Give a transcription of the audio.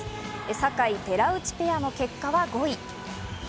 坂井・寺内ペアの結果は５位。